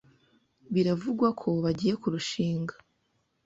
Biravugwa ko bagiye kurushinga.